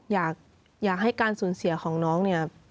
อยากให้การสูญเสียของน้องเนี่ย